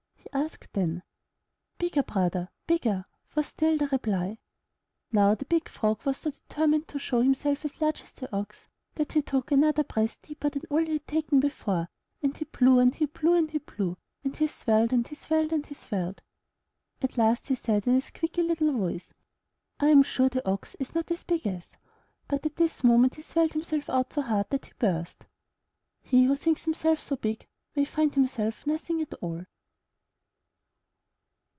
'' he asked then. ''Bigger, Brother, bigger," was still the reply. Now the Big Frog was so determined to show himself as large as the Ox, that he took another breath deeper than all he had taken before, and he blew, and he blew, and he blew, and he swelled, and he swelled, and he swelled. At last he said in a squeaky little voice, "I'm sure the Ox is not as big as —!' But at this moment he swelled himself out so hard that he burst! He who thinks himself so big, may find himself nothing at all.